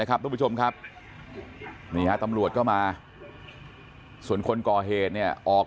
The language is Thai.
ทุกผู้ชมครับนี่ฮะตำรวจก็มาส่วนคนก่อเหตุเนี่ยออก